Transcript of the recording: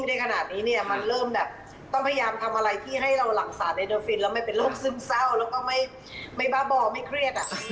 แล้วไม่เป็นโรคซึ้มเศร้าแล้วก็ไม่บ่อบ่อไม่เครียด